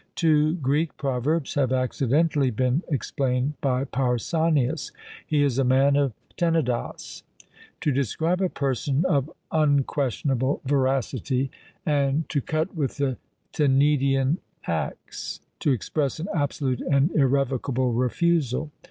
Two Greek proverbs have accidentally been explained by Pausanias: "He is a man of Tenedos!" to describe a person of unquestionable veracity; and "To cut with the Tenedian axe;" to express an absolute and irrevocable refusal.